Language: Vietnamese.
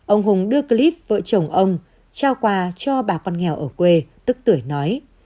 ông hùng đưa clip vợ chồng ông trao quà cho bà con nghèo ở quê tức tuổi nói